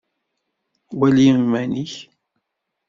Wali iman-ik.